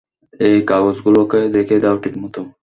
এই কাগজ গুলাকে, রেখে দাও ঠিকমতো।